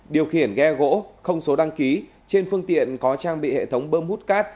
điều khiển ghe gỗ không số đăng ký trên phương tiện có trang bị hệ thống bơm hút cát